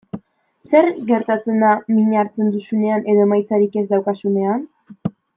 Zer gertatzen da min hartzen duzunean edo emaitzarik ez daukazunean?